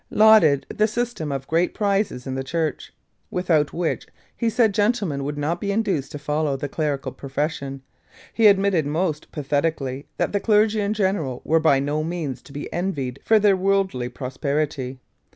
lauded the system of great prizes in the Church, without which he said gentlemen would not be induced to follow the clerical profession, he admitted most pathetically that the clergy in general were by no means to be envied for their worldly prosperity.